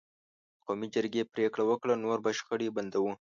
قومي جرګې پرېکړه وکړه: نور به شخړې بندوو.